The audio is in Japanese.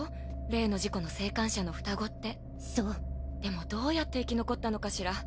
例の事故の生還者の双子ってそうでもどうやって生き残ったのかしら？